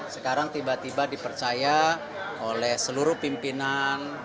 sekarang tiba tiba dipercaya oleh seluruh pimpinan